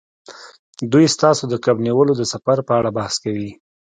دوی ستاسو د کب نیولو د سفر په اړه بحث کوي